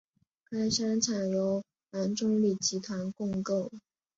该商场由杨忠礼集团共构。